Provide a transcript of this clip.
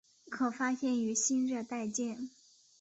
可发现于新热带界。